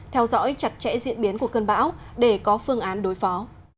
theo dõi chặt chẽ diễn biến của cơn bão để có phương án đối phó